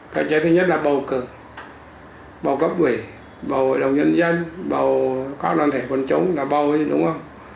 cơ chế thứ nhất là bầu cử bầu cấp quỷ bầu hội đồng nhân dân bầu các đoàn thể quân chúng là bầu đúng không